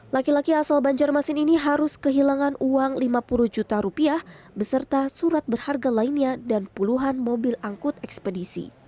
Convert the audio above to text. laki laki asal banjarmasin ini harus kehilangan uang lima puluh juta rupiah beserta surat berharga lainnya dan puluhan mobil angkut ekspedisi